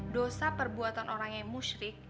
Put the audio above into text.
dosa perbuatan orang yang musrik